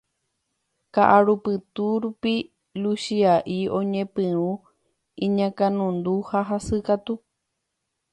ka'arupytũ rupi Luchia'i oñepyrũ iñakãnundu ha hasykatu.